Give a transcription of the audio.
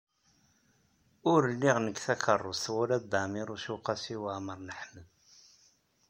Ur liɣ nekk takeṛṛust wala Dda Ɛmiiruc u Qasi Waɛmer n Ḥmed.